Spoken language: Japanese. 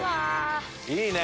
いいね！